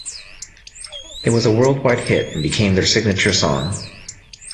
It was a worldwide hit and became their signature song.